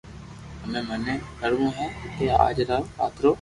ھمي مني ڪر وہ ھي ڪي آج رات رو